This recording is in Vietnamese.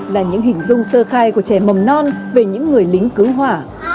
là những hình dung sơ khai của trẻ mầm non về những người lính cứu hỏa